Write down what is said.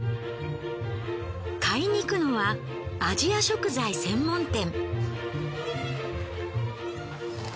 買いに行くのはアジア食材専門店。